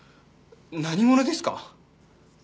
何者ですか？